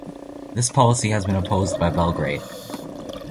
This policy has been opposed by Belgrade.